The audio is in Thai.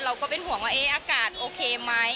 ก็เป็นห่วงว่าอากาศโอเคไหม